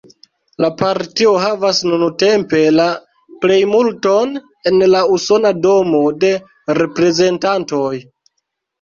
La partio havas nuntempe la plejmulton en la Usona Domo de Reprezentantoj.